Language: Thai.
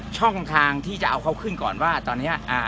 ช่องทางที่จะเอาเขาขึ้นก่อนว่าตอนนี้